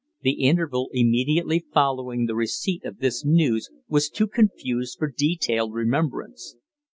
The interval immediately following the receipt of this news was too confused for detailed remembrance.